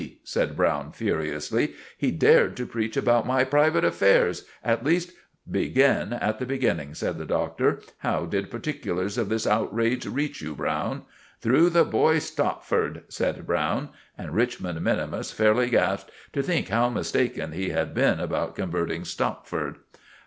said Browne furiously. "He dared to preach about my private affairs—at least——" "Begin at the beginning," said the Doctor. "How did particulars of this outrage reach you, Browne?" "Through the boy Stopford," said Browne; and Richmond minimus fairly gasped to think how mistaken he had been about converting Stopford.